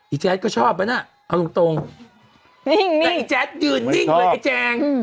อีแจ๊กก็ชอบนะเอาตรงนิ่งแต่อีแจ๊กอยู่นิ่งเลยไอ้แจ๊ง